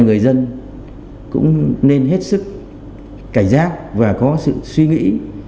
người dân cũng nên hết sức cảnh giác và có sự suy nghĩ